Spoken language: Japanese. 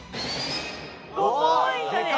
５ポイントです。